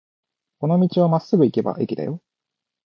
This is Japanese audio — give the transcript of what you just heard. この道をまっすぐ行けば駅だよ。